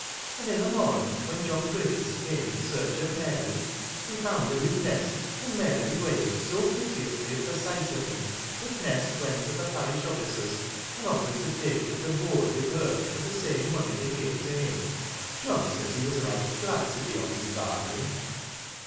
And in the morning when John Griffiths came in search of Mary, he found her with Nest, and Mary wailed so piteously at the sight of him, that Nest went to the parish officers and offered to take her to board with her for the same money they gave to him. John says he was right glad to be off his bargain."